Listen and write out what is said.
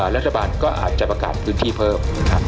รัฐบาลก็อาจจะประกาศพื้นที่เพิ่มนะครับ